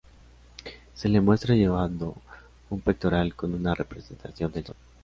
Se le muestra llevando un pectoral con una representación del sol.